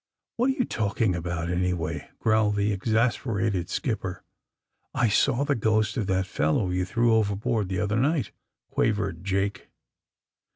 What are you talking about, anyway T' growled the ex asperated skipper. *^I saw the ghost of that fellow you threw overboard the other night !'' quavered Jake.